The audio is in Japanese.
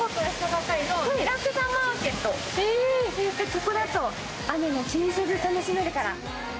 ここだと雨も気にせず楽しめるから。